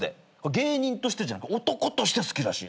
芸人としてじゃなく男として好きらしい。